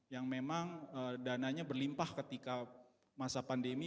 yang memang dananya berlimpah ketika masa pandemi